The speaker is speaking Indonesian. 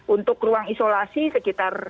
untuk ruang isolasi sekitar